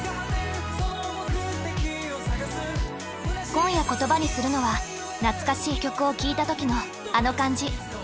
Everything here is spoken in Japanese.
今夜言葉にするのは懐かしい曲を聞いたときのあの感じ。